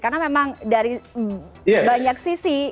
karena memang dari banyak sisi